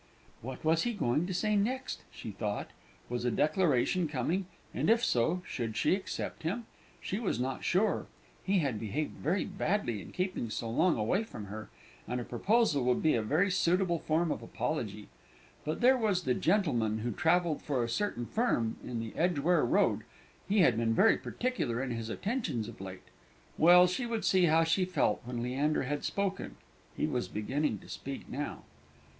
"What was he going to say next?" she thought. Was a declaration coming, and if so, should she accept him? She was not sure; he had behaved very badly in keeping so long away from her, and a proposal would be a very suitable form of apology; but there was the gentleman who travelled for a certain firm in the Edgware Road, he had been very "particular" in his attentions of late. Well, she would see how she felt when Leander had spoken; he was beginning to speak now.